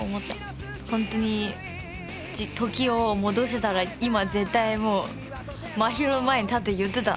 本当に時を戻せたら今絶対もうまひろの前に立って言ってた。